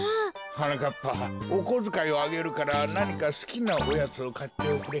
はなかっぱおこづかいをあげるからなにかすきなオヤツをかっておくれ。